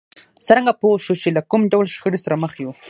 څرنګه پوه شو چې له کوم ډول شخړې سره مخ يو؟